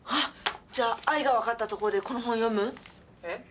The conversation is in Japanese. じゃあ「愛」が分かったところでこの本読む？え？